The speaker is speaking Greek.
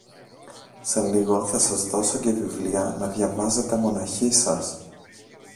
Σε λίγο θα σας δώσω και βιβλία να διαβάζετε μοναχοί σας.